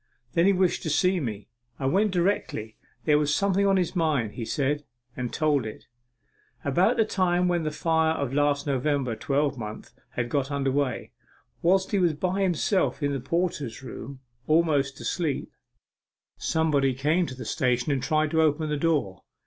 Then he wished to see me. I went directly. There was something on his mind, he said, and told it. About the time when the fire of last November twelvemonth was got under, whilst he was by himself in the porter's room, almost asleep, somebody came to the station and tried to open the door.